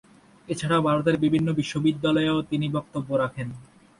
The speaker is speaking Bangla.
এছাড়াও ভারতের বিভিন্ন বিশ্ববিদ্যালয়েও তিনি বক্তব্য রাখেন।